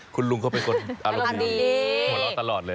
คุณลุงเขาเป็นคนอารมณ์ดีหัวเราะตลอดเลย